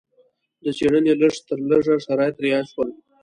د څېړنې لږ تر لږه شرایط رعایت شول.